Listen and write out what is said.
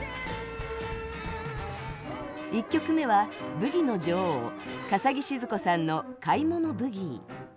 １曲目はブギの女王笠置シヅ子さんの「買物ブギー」。